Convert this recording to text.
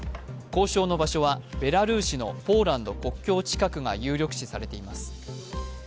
交渉の場所はベラルーシのポーランド国境近くが有力視されています。